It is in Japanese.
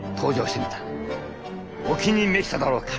お気に召しただろうか？